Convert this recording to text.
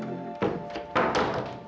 ya ma aku ngerti